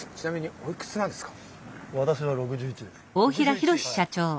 おいくつですか。